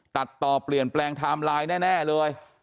ตัดต่อเปลี่ยนแปลงไทม์ไลน์แน่เลย